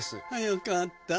よかった。